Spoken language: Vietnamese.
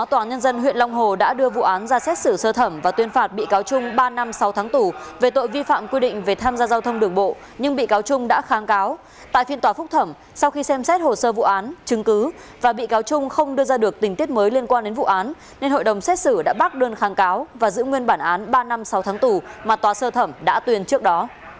tòa nhân dân huyện long hồ đã đưa vụ án ra xét xử sơ thẩm và tuyên phạt bị cáo chung ba năm sáu tháng tù về tội vi phạm quy định về tham gia giao thông đường bộ nhưng bị cáo chung không đưa ra được tình tiết mới liên quan đến vụ án nên hội đồng xét xử đã bác đơn kháng cáo và giữ nguyên bản án ba năm sáu tháng tù mà tòa sơ thẩm đã tuyên trước đó